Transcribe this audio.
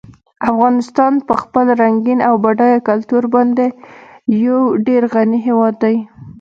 افغانستان په خپل رنګین او بډایه کلتور باندې یو ډېر غني هېواد دی.